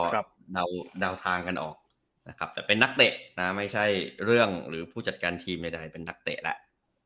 ก็เดาทางกันออกนะครับแต่เป็นนักเตะนะไม่ใช่เรื่องหรือผู้จัดการทีมใดเป็นนักเตะแล้ว